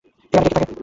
এখানে কে কে থাকে?